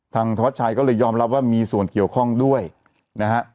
ธวัชชัยก็เลยยอมรับว่ามีส่วนเกี่ยวข้องด้วยนะฮะ